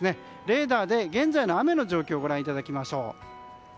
レーダーで現在の雨の状況をご覧いただきましょう。